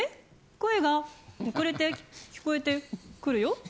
声が遅れて聞こえてくるよ？